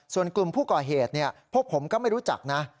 ส่วนกลุ่มผู้ก่อเหตุพวกผมก็ไม่รู้จักนะ